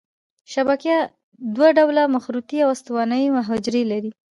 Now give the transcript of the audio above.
شبکیه دوه ډوله مخروطي او استوانه یي حجرې لري.